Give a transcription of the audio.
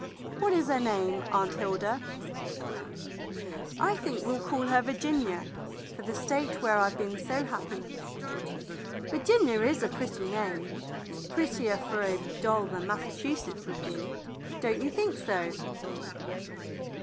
What is her name, Aunt Hilda?" "I think we'll call her Virginia, for the State where I've been so happy." "Virginia is a pretty name. It's prettier for a doll than Massachusetts would be; don't you think so.?"